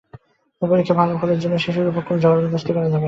পরীক্ষায় ভালো ফলের জন্য শিশুর ওপর খুব জবরদস্তি করা যাবে না।